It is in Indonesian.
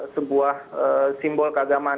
sebuah simbol keagamaan